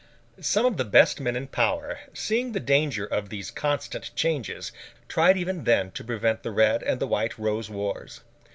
Some of the best men in power, seeing the danger of these constant changes, tried even then to prevent the Red and the White Rose Wars.